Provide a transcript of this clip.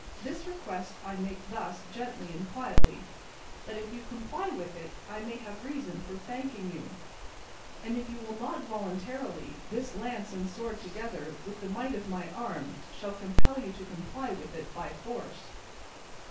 This request I make thus gently and quietly, that, if you comply with it, I may have reason for thanking you; and, if you will not voluntarily, this lance and sword together with the might of my arm shall compel you to comply with it by force."